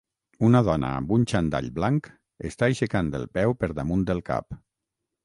Una dona amb un xandall blanc està aixecant el peu per damunt del cap.